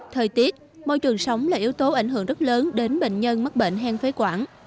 thời tiết môi trường sống là yếu tố ảnh hưởng rất lớn đến bệnh nhân mắc bệnh hen phế quản